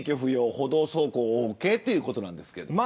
歩道走行オーケーということですが。